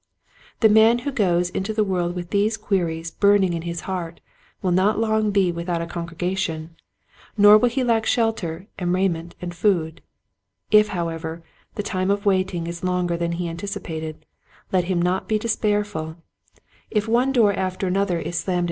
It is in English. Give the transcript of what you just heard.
" The man who goes into the world with these queries burning in his heart will not long be without a con gregation, nor will he lack shelter and rai ment and food. If however the time of waiting is longer than he anticipated let him not be despair ful. If one door after another is slammed 32 Quiet Hints to Growing Preachers.